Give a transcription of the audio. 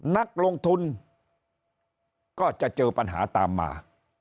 นักลงทุนก็จะเจอปัญหาตามมา